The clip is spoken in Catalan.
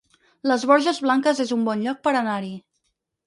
Les Borges Blanques es un bon lloc per anar-hi